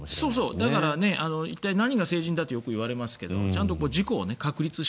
だから一体、何が成人だとよく言われますが自己を確立して。